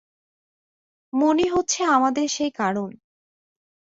মনই হচ্ছে আমাদের সেই করণ।